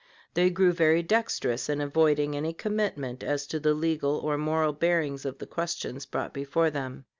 They grew very dexterous in avoiding any commitment as to the legal or moral bearings of the questions brought before them.